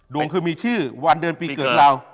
ดวงคือมีชื่อวันเดือนปีเกิดเรา